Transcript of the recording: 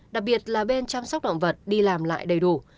đặc biệt là bên chăm sóc động vật đi làm lại đầy đủ